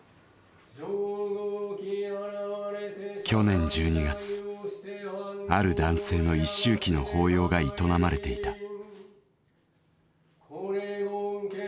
去年１２月ある男性の一周忌の法要が営まれていた。